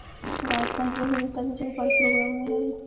افغانستان د اوړي د ترویج لپاره پروګرامونه لري.